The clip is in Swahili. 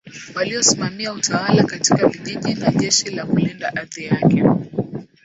Waliosimamia utawala katika vijiji na jeshi la kulinda ardhi yake